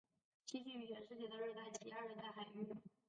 栖息于全世界的热带及亚热带海域。